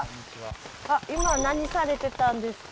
今何されてたんですか？